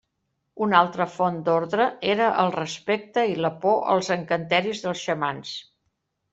Una altra font d'ordre era el respecte i la por als encanteris dels xamans.